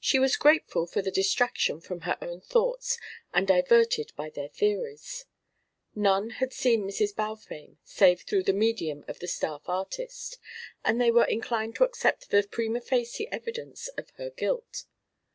She was grateful for the distraction from her own thoughts and diverted by their theories. None had seen Mrs. Balfame save through the medium of the staff artist, and they were inclined to accept the primâ facie evidence of her guilt.